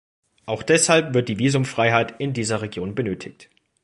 Auch deshalb wird die Visumfreiheit in dieser Region benötigt.